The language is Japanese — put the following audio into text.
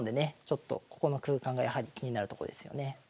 ちょっとここの空間がやはり気になるとこですよね。